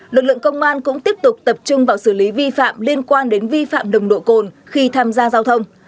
lực lượng công an cũng tiếp tục tập trung vào xử lý vi phạm liên quan đến vi phạm nồng độ cồn khi tham gia giao thông